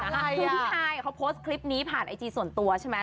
คือพี่ฮายเขาโพสต์คลิปนี้ผ่านไอจีส่วนตัวใช่ไหม